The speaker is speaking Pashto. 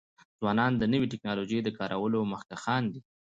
ځوانان د نوی ټکنالوژی د کارولو مخکښان دي.